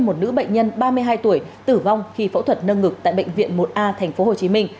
một nữ bệnh nhân ba mươi hai tuổi tử vong khi phẫu thuật nâng ngực tại bệnh viện một a tp hcm